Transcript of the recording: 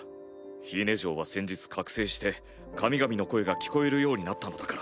フィーネ嬢は先日覚醒して神々の声が聞こえるようになったのだから。